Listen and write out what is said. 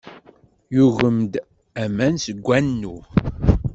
Yugem-d aman seg wanu.